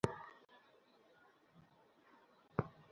কে কার স্বামী, কে কার পিতা এ প্রশ্নও আজ অর্থহীন।